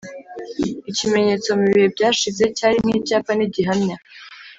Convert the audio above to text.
Ikimenyetso mu bihe byashije cyari nk'icyapa n'igihamya